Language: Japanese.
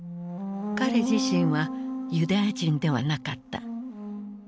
彼自身はユダヤ人ではなかった。